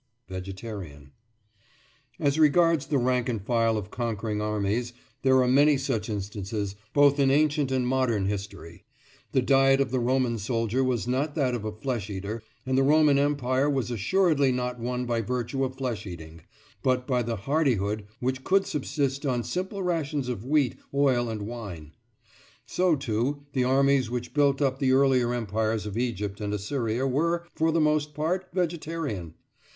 VEGETARIAN: As regards the rank and file of conquering armies, there are many such instances, both in ancient and modern history. The diet of the Roman soldier was not that of a flesh eater, and the Roman Empire was assuredly not won by virtue of flesh eating, but by the hardihood which could subsist on simple rations of wheat, oil, and wine. So, too, the armies which built up the earlier empires of Egypt and Assyria were, for the most part, vegetarian.